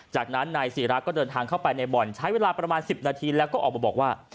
จากนั้นนายศิราก็เดินทางเข้าไปในบ่อนใช้เวลาประมาณ๑๐นาทีแล้วก็ออกมาบอกว่า